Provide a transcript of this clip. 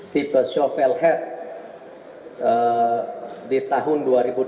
tipe shovel head di tahun dua ribu delapan belas